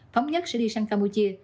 phóng nhất sẽ đi sang campuchia